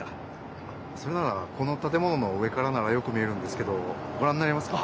それならこのたてものの上からならよく見えるんですけどごらんになりますか？